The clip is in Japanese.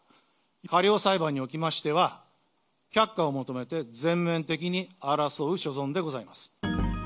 過料裁判におきましては、却下を求めて全面的に争う所存でございます。